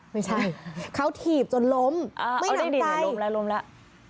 ไม่ใช่เขาถีบจนล้มเอาได้ดีล้มแล้วล้มแล้ว